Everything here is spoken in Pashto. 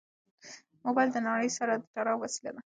موبایل د نړۍ سره د تړاو وسیله ده.